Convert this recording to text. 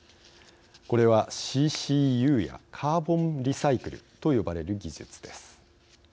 これは「ＣＣＵ」や「カーボンリサイクル」と呼ばれる技術です。